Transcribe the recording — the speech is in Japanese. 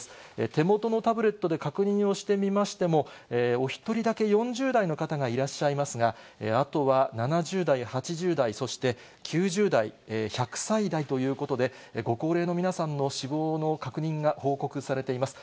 手元のタブレットで確認をしてみましても、お１人だけ４０代の方がいらっしゃいますが、あとは７０代、８０代、そして９０代、１００歳代ということで、ご高齢の皆さんの死亡の確認が報告されています。